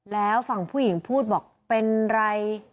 แล้วฝั่งผู้หญิงพูดบอกเป็นไร